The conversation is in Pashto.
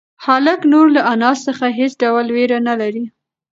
هلک نور له انا څخه هېڅ ډول وېره نهلري.